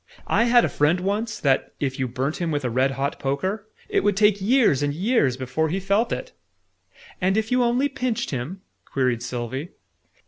I had a friend, once, that, if you burnt him with a red hot poker, it would take years and years before he felt it!" "And if you only pinched him?" queried Sylvie.